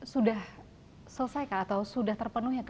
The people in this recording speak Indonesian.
sudah selesai atau sudah terpenuhi